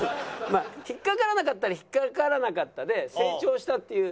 まあ引っかからなかったら引っかからなかったで成長したっていう。